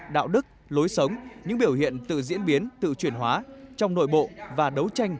đạo đức lối sống những biểu hiện tự diễn biến tự chuyển hóa trong nội bộ và đấu tranh